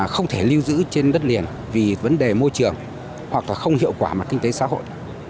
không thể lưu giữ trên đất liền vì vấn đề môi trường hoặc là không hiệu quả mặt kinh tế xã hội